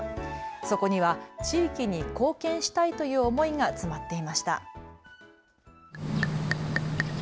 そこには地域に貢献したいという思いが詰まっていました。